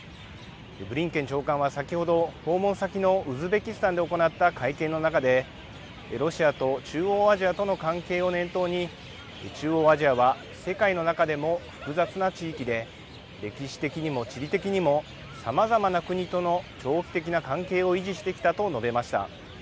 ブリンケン長官は先ほど訪問先のウズベキスタンで行った会見の中でロシアと中央アジアとの関係を念頭に中央アジアは世界の中でも複雑な地域で歴史的にも地理的にもさまざまな国との長期的な関係を維持してきたと述べました。